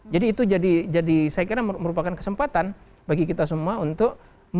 jadi itu jadi saya kira merupakan kesempatan bagi kita semua untuk